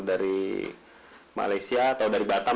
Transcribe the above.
dari malaysia atau dari batam